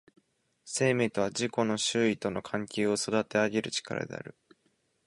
生命とは自己の周囲との関係を育てあげる力である。